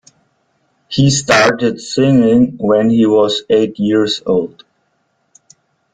He started singing when he was eight years old.